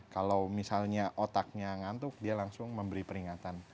kalau misalnya otaknya ngantuk dia langsung memberi peringatan